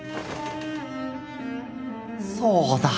そうだ。